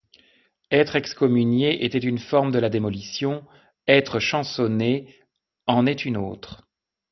Être excommunié était une forme de la démolition; être chansonné en est une autre.